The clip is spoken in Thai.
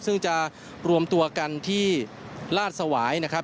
ซึ่งจะรวมตัวกันที่ลาดสวายนะครับ